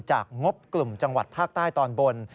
งบกลุ่มจังหวัดภาคใต้ตอนบน